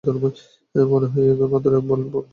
মনে হয় ওটাই আমাদের একমাত্র বল ছিল।